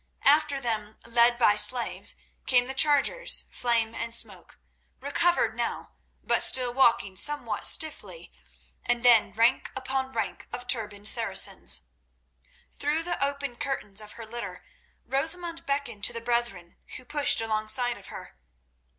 After them, led by slaves, came the chargers, Flame and Smoke, recovered now, but still walking somewhat stiffly, and then rank upon rank of turbaned Saracens. Through the open curtains of her litter Rosamund beckoned to the brethren, who pushed alongside of her.